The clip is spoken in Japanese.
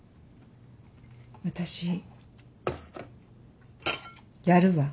私やるわ。